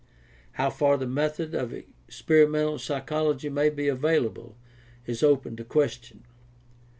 How far the methods of experimental psychology may be available is open to question.